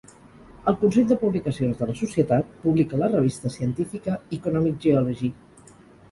El Consell de Publicacions de la societat publica la revista científica Economic Geology.